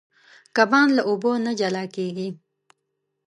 کبان له اوبو نه جلا کېږي.